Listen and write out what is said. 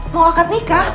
mau akad nikah